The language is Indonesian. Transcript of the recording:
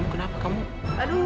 kenapa kamu nanya sebut